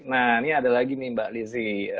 nah ini ada lagi nih mbak lizzie